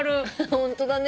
ホントだね。